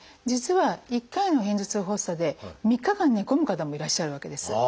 実は１回の片頭痛発作で３日間寝込む方もいらっしゃるわけです。